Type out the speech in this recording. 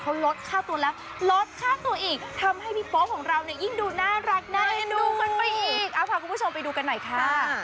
เอาค่ะคุณผู้ชมไปดูกันหน่อยค่ะ